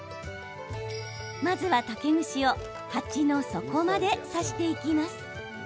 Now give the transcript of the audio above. まずは、竹串を鉢の底まで刺していきます。